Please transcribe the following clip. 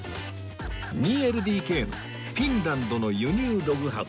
２ＬＤＫ のフィンランドの輸入ログハウス